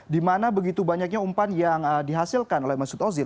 dimana begitu banyaknya umpan yang dihasilkan oleh mesut ozil